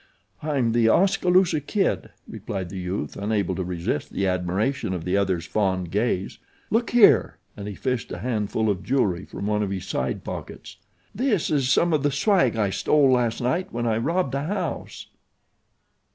"I'm The Oskaloosa Kid," replied the youth, unable to resist the admiration of the other's fond gaze. "Look here!" and he fished a handful of jewelry from one of his side pockets; "this is some of the swag I stole last night when I robbed a house."